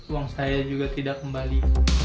uang saya juga tidak kembali